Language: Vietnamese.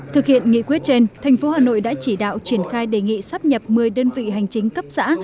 thực hiện nghị quyết trên thành phố hà nội đã chỉ đạo triển khai đề nghị sắp nhập một mươi đơn vị hành chính cấp xã